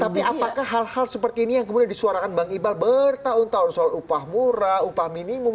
tapi apakah hal hal seperti ini yang kemudian disuarakan bang iqbal bertahun tahun soal upah murah upah minimum